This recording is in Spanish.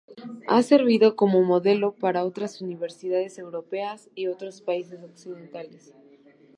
Ha servido como modelo para otras universidades europeas y de otros países occidentales.